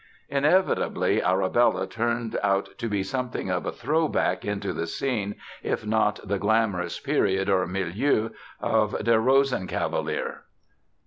Inevitably, Arabella turned out to be something of a throwback into the scene, if not the glamorous period or milieu, of Der Rosenkavalier.